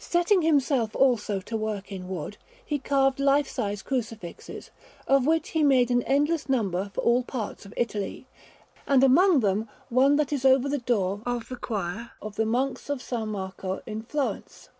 Setting himself also to work in wood, he carved lifesize Crucifixes, of which he made an endless number for all parts of Italy, and among them one that is over the door of the choir of the Monks of S. Marco at Florence.